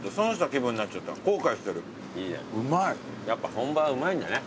やっぱ本場はうまいんだね。